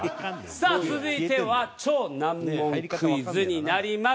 さあ続いては超難問クイズになります。